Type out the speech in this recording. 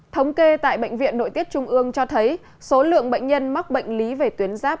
thống kê tại bệnh viện nội tiết trung ương cho thấy số lượng bệnh nhân mắc bệnh lý về tuyến giáp